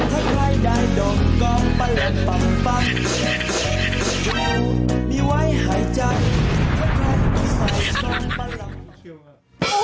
ไฟหายใจข้ะใจหกใจชอบมะเริ่ม